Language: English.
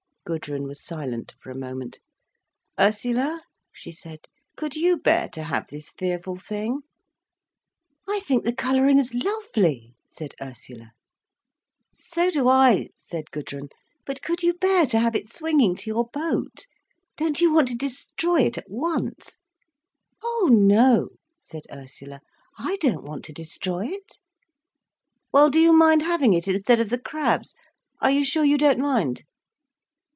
Gudrun was silent for a moment. "Ursula," she said, "could you bear to have this fearful thing?" "I think the colouring is lovely," said Ursula. "So do I," said Gudrun. "But could you bear to have it swinging to your boat? Don't you want to destroy it at once?" "Oh no," said Ursula. "I don't want to destroy it." "Well do you mind having it instead of the crabs? Are you sure you don't mind?"